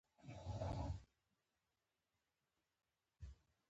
د باران اوبه څنګه ذخیره کړو؟